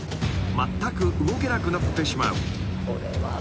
まったく動けなくなってしまう］